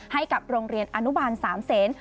ให้กับโรงเรียนอนุบาล๓เซน